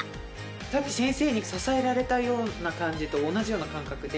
さっき先生に支えられたような感じと同じような感覚で。